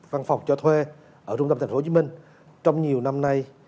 văn phòng cho thuê ở trung tâm tp hcm trong nhiều năm nay